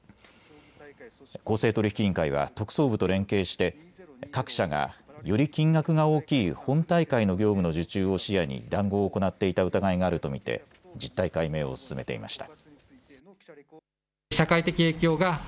公正取引委員会は特捜部と連携して各社がより金額が大きい本大会の業務の受注を視野に談合を行っていた疑いがあると見て実態解明を進めていました。